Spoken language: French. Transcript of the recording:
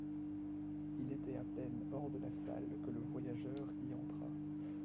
Il était à peine hors de la salle que le voyageur y entra.